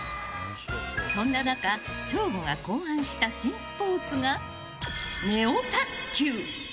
そんな中、省吾が考案した新スポーツが、ネオ卓球！